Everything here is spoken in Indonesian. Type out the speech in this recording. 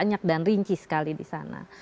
banyak dan rinci sekali di sana